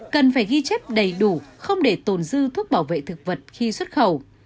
cần phải ghi chép đầy đủ không để tồn dư thuốc bảo vệ thực vật khi xuất khẩu